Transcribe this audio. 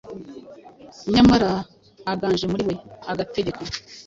Nyamara uganje muri we, agategeka